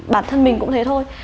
bản thân mình cũng thế thôi